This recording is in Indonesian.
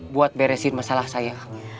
buat beresin masalah saya